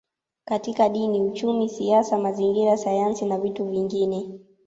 Katika Dini Uchumi Siasa Mazingira Sayansi na vitu vingine